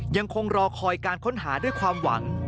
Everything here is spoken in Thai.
ยังคงรอคอยการค้นหาด้วยความหวัง